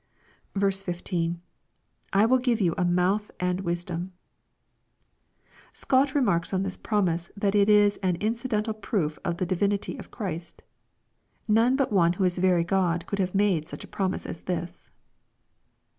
15. — [IvnU give you a m^uth and wisdom,] Scott remarks on this promise that it is an incidental proof of the divinity of Christ None but One who was very Q od could have made such a prom ise as this.